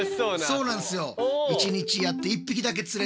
そうなんですよ。